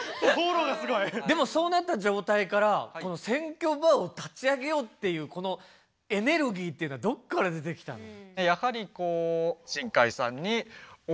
でもそうなった状態から選挙バーを立ち上げようっていうこのエネルギーっていうのはどっから出てきたの？